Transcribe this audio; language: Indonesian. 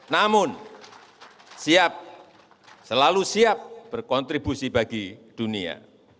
namun siap selalu siap berkontribusi bagi dunia